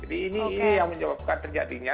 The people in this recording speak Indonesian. jadi ini yang menyebabkan terjadinya